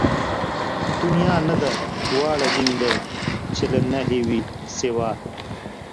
دنيا نه ده واړه دين دئ چې له نَهېِ وي سِوا